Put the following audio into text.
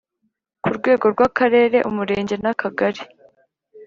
K urwego rw akarere umurenge n akagari